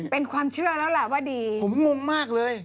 เป็นญาติคุณหนุ่มมั้ย